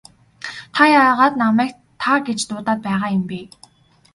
Та яагаад намайг та гэж дуудаад байгаа юм бэ?